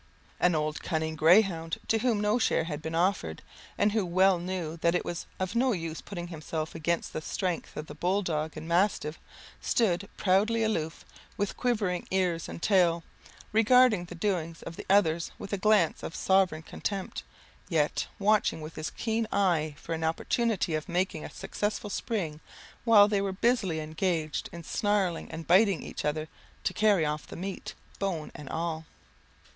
An old cunning greyhound, to whom no share had been offered, and who well knew that it was of no use putting himself against the strength of the bull dog and mastiff, stood proudly aloof, with quivering ears and tail, regarding the doings of the others with a glance of sovereign contempt; yet, watching with his keen eye for an opportunity of making a successful spring, while they were busily engaged in snarling and biting each other, to carry off the meat, bone and all.